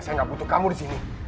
saya nggak butuh kamu di sini